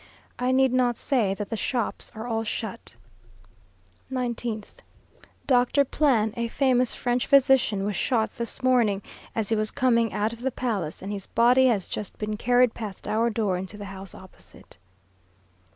I need not say that the shops are all shut. 19th. Dr. Plan, a famous French physician, was shot this morning, as he was coming out of the palace, and his body has just been carried past our door into the house opposite.